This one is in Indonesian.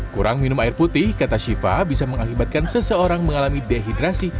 kurang minum air putih kata shiva bisa mengakibatkan seseorang mengalami dehidrasi